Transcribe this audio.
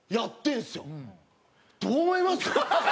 どう思います？